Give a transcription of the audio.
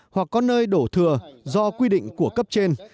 hoặc có nơi đổ thừa do quy định của cấp trên